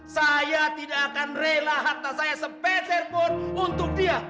saya tidak akan rela hantar saya sepeder pun untuk dia